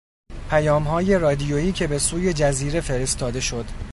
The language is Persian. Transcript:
پیامهای رادیویی که به سوی جزیره فرستاده شد